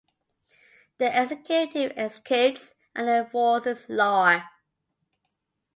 The executive executes and enforces law.